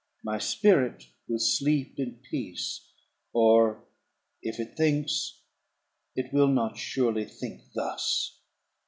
My spirit will sleep in peace; or if it thinks, it will not surely think thus.